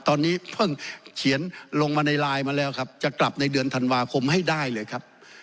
ตอนนี้เพิ่งเขียนลงมาในไลน์มาแล้วครับจะกลับในเดือนธันวาคมให้ได้เลยครับ